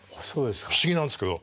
不思議なんですけど。